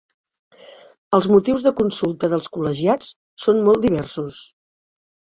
Els motius de consulta dels col·legiats són molt diversos.